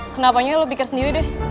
kenapanya lo pikir sendiri deh